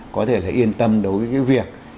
có thể là yên tâm đối với cái việc